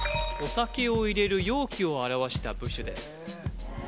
お酒を入れる容器を表した部首です